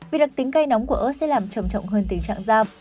vì đặc tính cay nóng của ớt sẽ làm trầm trọng hơn tình trạng giam